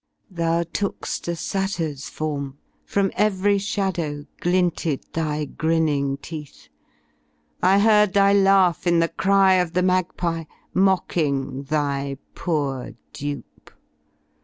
Thou took^ft a satyr* s form, from, every shadow Glinted thy grinning teeth, I heard thy laugh In the cry of the magpie, mocking thy poor dupe.